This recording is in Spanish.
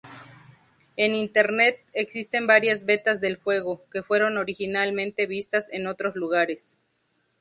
En Internet, existen varias betas del juego, que fueron originalmente vistas en otros lugares.